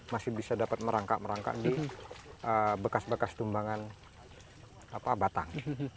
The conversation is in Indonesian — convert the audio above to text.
masih bisa dapat merangkak merangkak di bekas bekas tumbangan batang